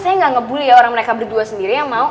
saya nggak ngebully ya orang mereka berdua sendiri yang mau